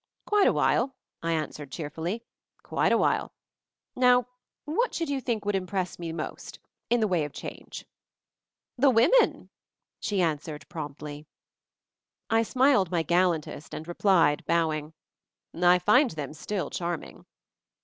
Quite a while," I answered cheerfully, Quite a while. Now what should you think would impress me most — in the way of change?" it 36 MOVING THE MOUNTAIN "The women," she answered promptly. I smiled my gallantest, and replied, bow ing: " I find them still charming."